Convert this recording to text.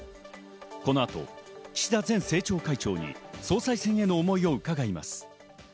この後、岸田前政調会長に総裁選への思いを伺います。